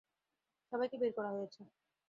সবাইকে বের করা হয়েছে।